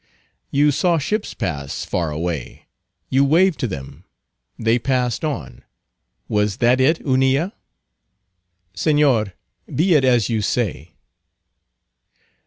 "You saw ships pass, far away; you waved to them; they passed on;—was that it, Hunilla?" "Señor, be it as you say."